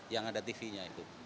yang ada tv nya itu